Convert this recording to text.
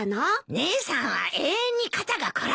姉さんは永遠に肩が凝らないよ。